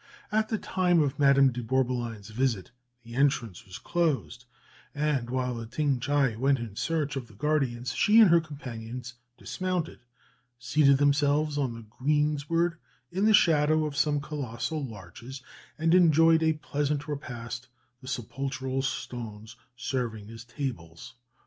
At the time of Madame de Bourboulon's visit the entrance was closed, and while the Ting tchaï went in search of the guardians, she and her companions dismounted, seated themselves on the greensward, in the shadow of some colossal larches, and enjoyed a pleasant repast, the sepulchral stones serving as tables.